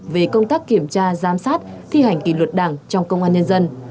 về công tác kiểm tra giám sát thi hành kỷ luật đảng trong công an nhân dân